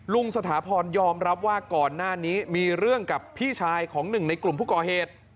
สถาพรยอมรับว่าก่อนหน้านี้มีเรื่องกับพี่ชายของหนึ่งในกลุ่มผู้ก่อเหตุ